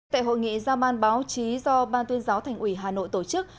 tại hội nghị ra man báo chí do ban tuyên giáo thành ủy hà nội tổ chức